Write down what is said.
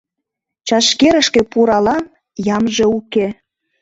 Чашкерышке пуралам — ямже уке